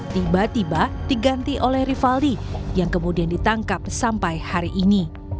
tiba tiba diganti oleh rivaldi yang kemudian ditangkap sampai hari ini